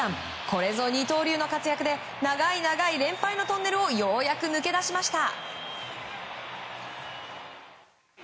これぞ二刀流の活躍で長い長い連敗のトンネルをようやく抜け出しました。